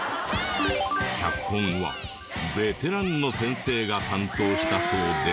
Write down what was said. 脚本はベテランの先生が担当したそうで。